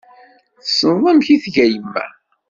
Tessneḍ amek i tga yemma.